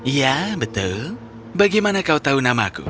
iya betul bagaimana kau tahu namaku